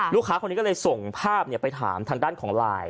ลูกค้าคนนี้ก็เลยส่งภาพไปถามทางด้านของไลน์